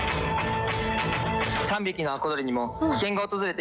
３匹の箱鳥にも危険が訪れています。